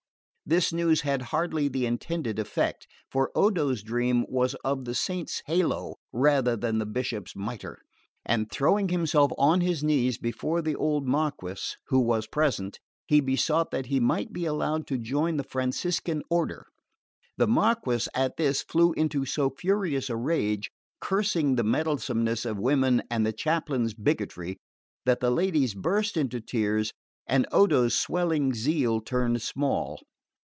This news had hardly the intended effect; for Odo's dream was of the saint's halo rather than the bishop's mitre; and throwing himself on his knees before the old Marquess, who was present, he besought that he might be allowed to join the Franciscan order. The Marquess at this flew into so furious a rage, cursing the meddlesomeness of women and the chaplain's bigotry, that the ladies burst into tears and Odo's swelling zeal turned small.